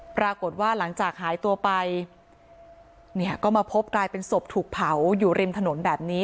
ปรากฏว่าหลังจากหายตัวไปเนี่ยก็มาพบกลายเป็นศพถูกเผาอยู่ริมถนนแบบนี้